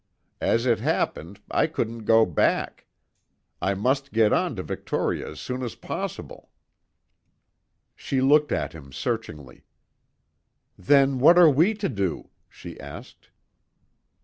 As it happened, I couldn't go back. I must get on to Victoria as soon as possible." She looked at him searchingly. "Then what are we to do?" she asked.